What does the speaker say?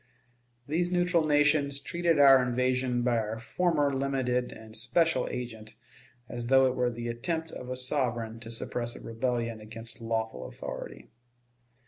These neutral nations treated our invasion by our former limited and special agent as though it were the attempt of a sovereign to suppress a rebellion against lawful authority.